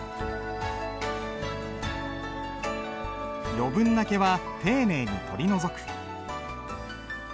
余分な毛は丁寧に取り除く。